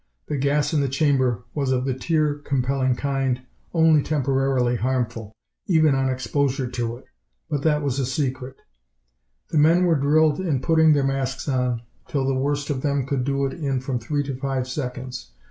The gas in the chamber was of the tear compelling kind, only temporarily harmful, even on exposure to it. But that was a secret. The men were drilled in putting their masks on, till the worst of them could do it in from three to five seconds.